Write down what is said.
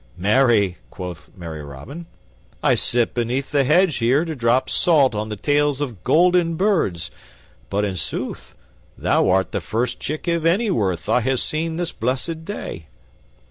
"Marry," quoth merry Robin, "I sit beneath the hedge here to drop salt on the tails of golden birds; but in sooth thou art the first chick of any worth I ha' seen this blessed day."